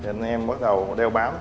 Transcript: anh em bắt đầu đeo bám